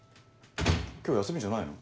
今日休みじゃないの？